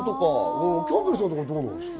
キャンベルさんはどうですか？